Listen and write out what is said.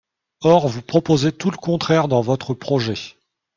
Or vous proposez tout le contraire dans votre projet.